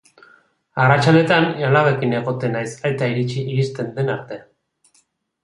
Arratsaldetan alabekin egoten naiz aita iristen den arte.